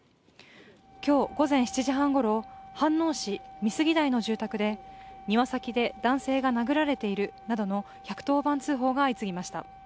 今日午前７時半ごろ、飯能市美杉台の住宅で、庭先で男性が殴られているなどの１１０番通報が相次ぎました。